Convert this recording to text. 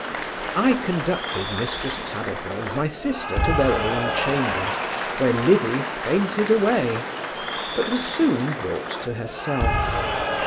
I conducted Mrs Tabitha and my sister to their own chamber, where Liddy fainted away; but was soon brought to herself.